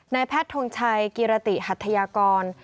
แพทย์ทงชัยกิรติหัทยากร